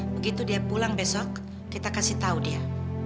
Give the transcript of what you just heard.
begitu dia pulang besok kita kasih tahu dia